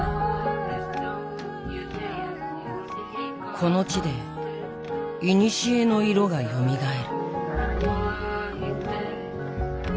この地でいにしえの色がよみがえる。